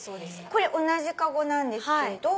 これ同じ籠なんですけど。